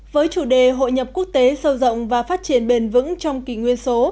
với chủ đề hội nhập quốc tế sâu rộng và phát triển bền vững trong kỳ nguyên số